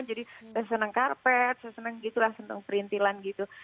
jadi udah seneng karpet seneng gitu lah seneng perintilan gitu